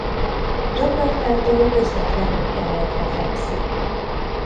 Jakartától közvetlenül keletre fekszik.